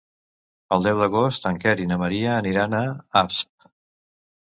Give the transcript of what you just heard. El deu d'agost en Quer i na Maria aniran a Asp.